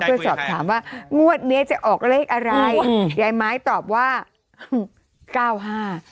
เพื่อสอบถามว่างวดเนี้ยจะออกเลขอะไรอืมยายไม้ตอบว่าเก้าห้า